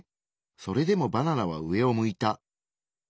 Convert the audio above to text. それでもバナナは上を向いた。